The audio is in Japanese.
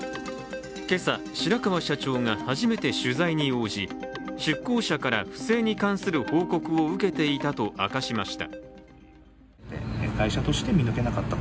今朝、白川社長が初めて取材に応じ出向者から不正に関する報告を受けていたと明かしました。